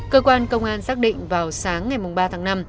cơ quan công an xác định vào sáng ngày ba tháng năm